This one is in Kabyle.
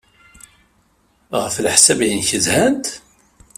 Ɣef leḥsab-nnek, zhant?